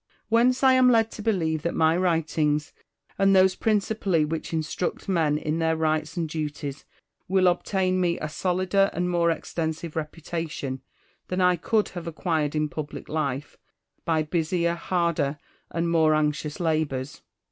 Whence I am led to believe that my writings, and those principally which instruct men in their rights and duties, will obtain me a solider and more extensive reputa tion than I could have acquired in public life, by busier, harder, and more anxious labours.